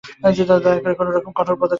দয়া করে কোনরকম কঠোর পদক্ষেপ নিও না।